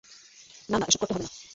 না, না, এসব করতে হবে না।